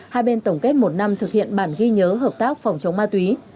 hai bên tổng kết một năm thực hiện bản ghi nhớ hợp tác phòng chống ma túy